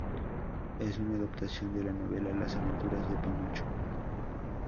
Es una adaptación de la novela Las aventuras de Pinocho.